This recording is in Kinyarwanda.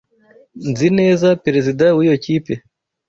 Nzi neza perezida wiyo kipe.